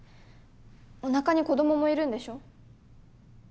お腹に子供もいるんでしょ？